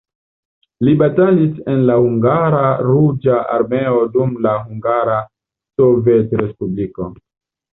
Li batalis en la hungara Ruĝa Armeo dum la Hungara sovetrespubliko.